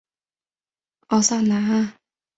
奥萨南岸。